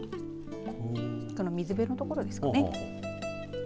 この水辺のところですかね。